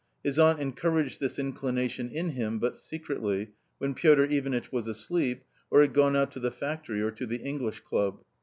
His aunt encouraged this inclination in him, but secretly, when Fiotr Ivanitch was asleep, or had gone out to the factory or to the English Club.